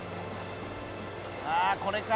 ああこれか！